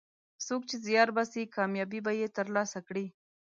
څوک چې زیار باسي، کامیابي به یې ترلاسه کړي.